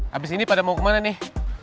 habis ini pada mau kemana nih